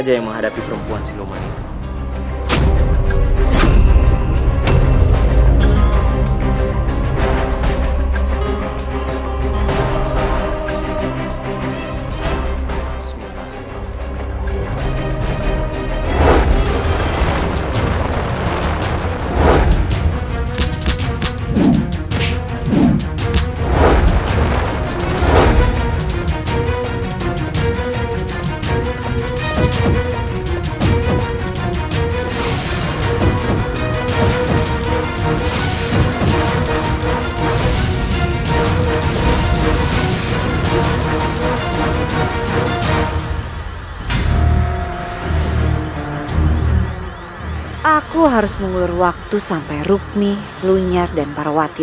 jaga diri mempertaruh ilmu inilah aku harus bisa keluar dari pusaran air ini